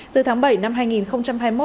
từ tháng bảy năm hai nghìn hai mươi một